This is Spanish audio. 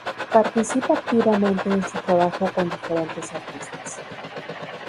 Participa activamente en su trabajo con diferentes artistas.